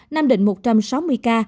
nam định một trăm sáu mươi ca